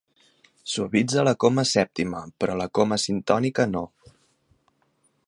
Suavitza la coma sèptima, però la coma sintònica no.